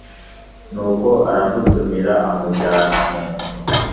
Nuko aramutumira amujyana mu nzu.